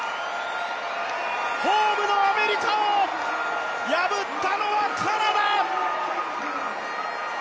ホームのアメリカを破ったのはカナダ。